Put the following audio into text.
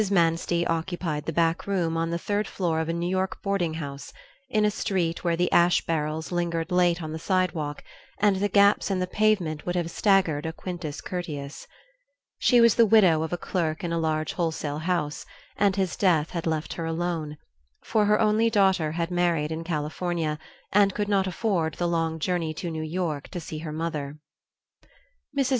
Manstey occupied the back room on the third floor of a New York boarding house, in a street where the ash barrels lingered late on the sidewalk and the gaps in the pavement would have staggered a Quintus Curtius. She was the widow of a clerk in a large wholesale house, and his death had left her alone, for her only daughter had married in California, and could not afford the long journey to New York to see her mother. Mrs.